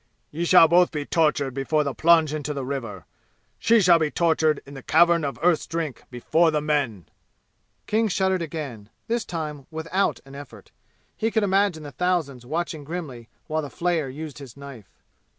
"Ye shall both be tortured before the plunge into the river! She shall be tortured in the Cavern of Earth's Drink before the men!" King shuddered again, this time without an effort. He could imagine the thousands watching grimly while the flayer used his knife.